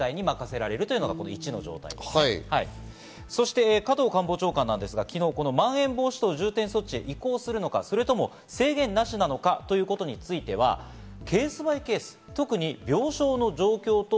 そして加藤官房長官ですが、昨日、まん延防止等重点措置へ移行するのか、それとも制限なしなのかということについては、こちら。